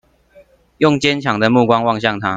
用堅強的目光望向他